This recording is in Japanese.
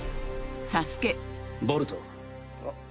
ボルト。